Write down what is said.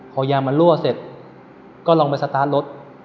พอยางมันรั่วเสร็จก็ลองไปสตาร์ทรถ